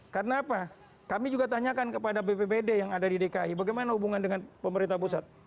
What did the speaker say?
karena apa kami juga tanyakan kepada bppd yang ada di dki bagaimana hubungan dengan pemerintah pusat